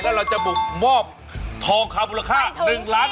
แล้วเราจะบุกมอบทองคาบูรค่า๑ล้านบาทให้ถึงที่เลยครับ